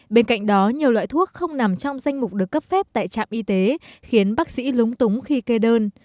bên cạnh đó nhiều loại thuốc không nằm trong danh mục được cấp phép tại trạm y tế khiến bác sĩ lúng túng khi kê đơn